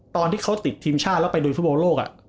ตอนที่เขาติดทีมชาติแล้วไปดูฟุตบอลโลก